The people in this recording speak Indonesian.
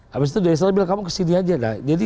habis itu dia selalu bilang kamu kesini saja nah jadi